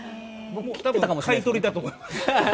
買い取りだと思います。